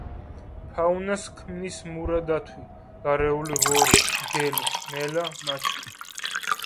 ფაუნას ქმნის მურა დათვი, გარეული ღორი, მგელი, მელა, მაჩვი.